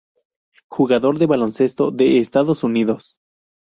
Jugador de baloncesto de Estados Unidos.